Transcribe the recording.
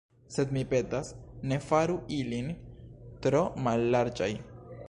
Sed, mi petas, ne faru ilin tro mallarĝaj.